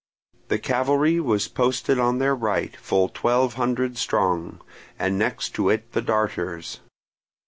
The cavalry was posted on their right, full twelve hundred strong, and next to it the darters.